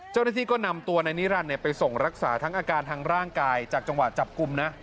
เจ้าหน้าที่ก็นำตัวนายนิรันดิ์ไปส่งรักษาทั้งอาการทางร่างกายจากจังหวะจับกลุ่มนะ